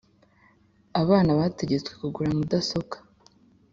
Abana bategetswe kugura mudasobwa.